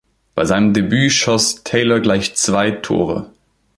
Bei seinem Debüt schoss Taylor gleich zwei Tore.